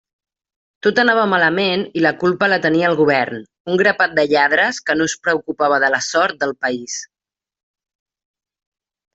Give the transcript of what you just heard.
Tot anava malament i la culpa la tenia el govern, un grapat de lladres que no es preocupava de la sort del país.